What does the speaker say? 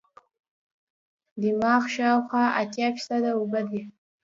دماغ شاوخوا اتیا فیصده اوبه دي.